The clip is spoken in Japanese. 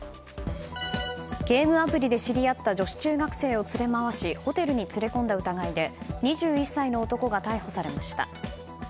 ゲームアプリで知り合った女子中学生を連れまわしホテルに連れ込んだ疑いで２１歳の男が逮捕されました。